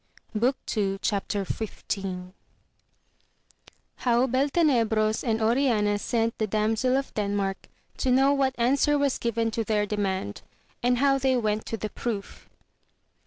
— How Beltenebros and Oriana sent the Damsel of Denmark to know what answer was given to their demand, and how they went to the proof.